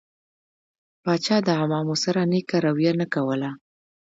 پاچا د عوامو سره نيکه رويه نه کوله.